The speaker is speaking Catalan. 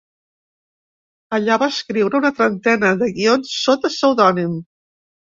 Allà, va escriure una trentena de guions sota pseudònim.